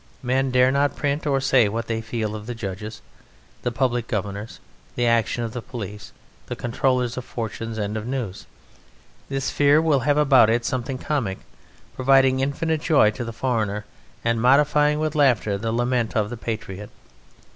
Men dare not print or say what they feel of the judges, the public governors, the action of the police, the controllers of fortunes and of news. This Fear will have about it something comic, providing infinite joy to the foreigner, and modifying with laughter the lament of the patriot.